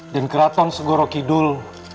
dan keraton seguro kidul